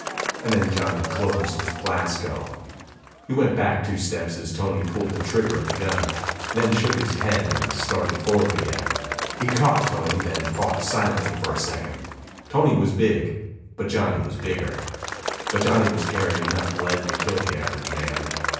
And then Johnny closed with Flasco. He went back two steps as Tony pulled the trigger of the gun, then shook his head and started forward again. He caught Tony, and they fought silently for a second. Tony was big, but Johnny was bigger. But Johnny was carrying enough lead to kill the average man.